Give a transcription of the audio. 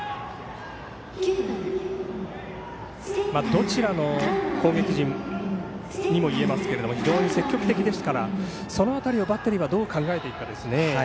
どちらの攻撃陣にもいえますが非常に積極的ですからその辺りをバッテリーはどう考えていくかですね。